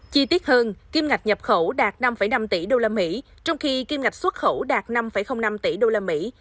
chi tiết hơn kim ngạch nhập khẩu đạt năm năm tỷ đô la mỹ trong khi kim ngạch xuất khẩu đạt năm năm tỷ đô la mỹ